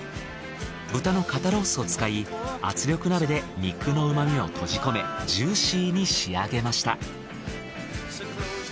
豚の肩ロースを使い圧力鍋で肉のうま味を閉じ込めジューシーに仕上げました。